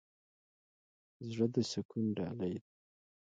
زړه د سکون ډالۍ ده.